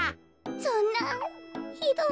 そんなひどい。